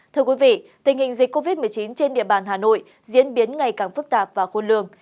thưa quý vị tình hình dịch covid một mươi chín trên địa bàn hà nội diễn biến ngày càng phức tạp và khôn lường